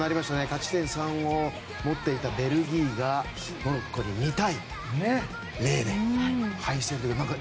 勝ち点３を持っていたベルギーがモロッコに２対０で敗戦という。